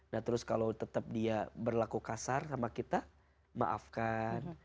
nah terus kalau tetap dia berlaku kasar sama kita maafkan